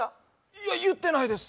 いや言ってないです